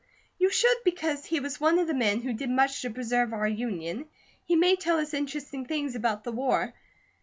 "You should because he was one of the men who did much to preserve our Union, he may tell us interesting things about the war.